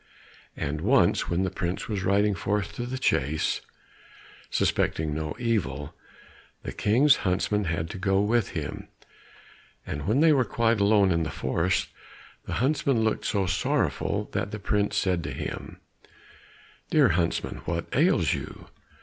And once when the prince was riding forth to the chase, suspecting no evil, the King's huntsman had to go with him, and when they were quite alone in the forest, the huntsman looked so sorrowful that the prince said to him, "Dear huntsman, what ails you?"